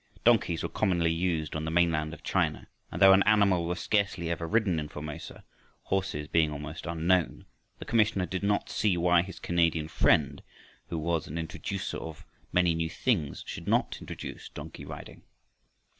Donkeys were commonly used on the mainland of China, and though an animal was scarcely ever ridden in Formosa, horses being almost unknown, the commissioner did not see why his Canadian friend, who was an introducer of so many new things, should not introduce donkey riding.